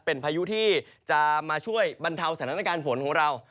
เป็นพายุที่จะมาช่วยบรรเทาสถานการณ์ฝนของเรา